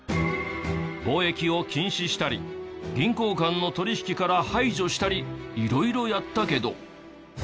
貿易を禁止したり銀行間の取引から排除したり色々やったけど。